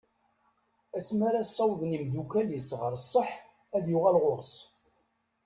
Asma ara sawḍen i umddakel-is ɣer sseḥ ad d-yuɣal ɣur-s.